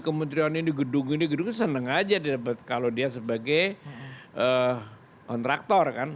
kementerian ini gedung ini gedung itu senang aja kalau dia sebagai kontraktor kan